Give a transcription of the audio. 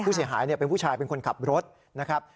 ผู้เสียหายเป็นผู้ชายเป็นคนขับรถนะครับ